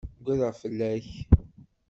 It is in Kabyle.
Ugadeɣ fell-ak.